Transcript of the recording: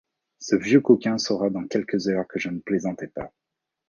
Ce vieux coquin saura dans quelques heures que je ne plaisantais pas.